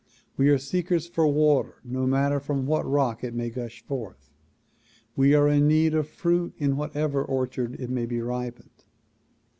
We are seekers for water no matter from what rock it may gush forth. We are in need of fruit in whatsoever orchard it may be ripened.